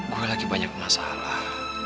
gue lagi banyak masalah